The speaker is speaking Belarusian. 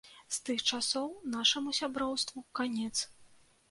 З тых часоў нашаму сяброўству канец.